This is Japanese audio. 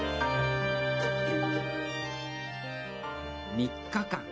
３日間。